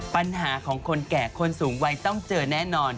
ปัญหาของคนแก่คนสูงวัยต้องเจอแน่นอน